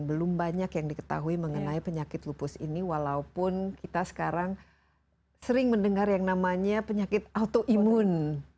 belum banyak yang diketahui mengenai penyakit lupus ini walaupun kita sekarang sering mendengar yang namanya penyakit autoimun